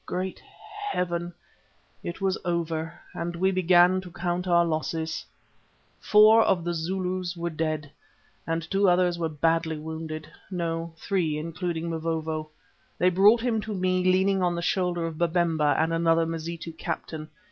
Great Heaven! it was over, and we began to count our losses. Four of the Zulus were dead and two others were badly wounded no, three, including Mavovo. They brought him to me leaning on the shoulder of Babemba and another Mazitu captain.